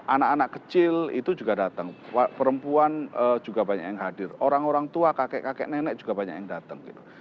anak anak kecil itu juga datang perempuan juga banyak yang hadir orang orang tua kakek kakek nenek juga banyak yang datang gitu